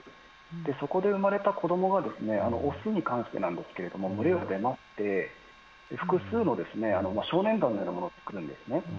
そこで産まれた子どもが雄に関してなんですけれども、群れを出まして、複数の少年団のようなものを作るんですね。